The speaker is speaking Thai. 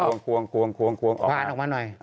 พลาดออกมาหน่อย